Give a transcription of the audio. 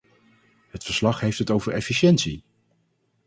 Het verslag heeft het over efficiëntie.